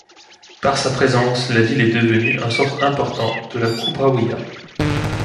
Par sa présence, la ville est devenue un centre important de la Kubrawiyya.